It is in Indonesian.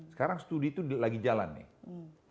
sekarang studi itu lagi jalan nih